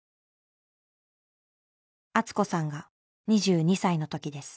敦子さんが２２歳の時です。